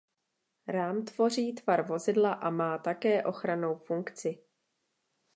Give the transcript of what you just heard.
Rám tvoří tvar vozidla a má také ochrannou funkci.